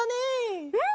うん！